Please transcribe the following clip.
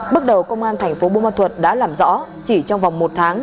bước đầu công an tp bumma thuật đã làm rõ chỉ trong vòng một tháng